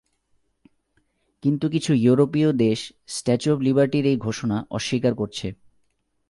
কিন্তু কিছু ইউরোপীয় দেশ স্ট্যাচু অব লিবার্টির এই ঘোষণা অস্বীকার করছে।